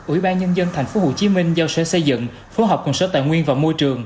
ủy ban nhân dân tp hcm giao sở xây dựng phối hợp cùng sở tài nguyên và môi trường